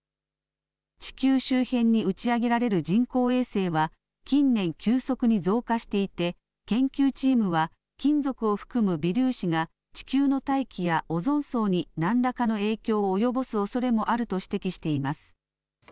地球周辺に打ち上げられる人工衛星は近年、急速に増加していて研究チームは金属を含む微粒子が地球の大気やオゾン層に何らかの影響を及ぼすおそれもあると指摘しています。